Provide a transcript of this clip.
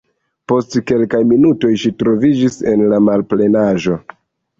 Post kelkaj minutoj ŝi troviĝis en la malplenaĵo.